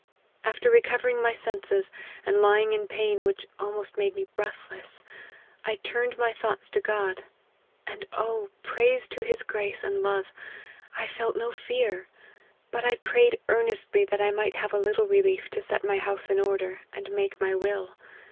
After recovering my senses, and lying in pain which almost made me breathless, I turned iny thoughts to God ; and oh ! praise to his grace and love, I felt no fear; but I prayed earnestly that I might have a little relief to s et my house in order, and make my will.